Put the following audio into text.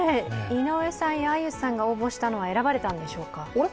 井上さんやあゆさんが応募されたのは選ばれたんでしょうか？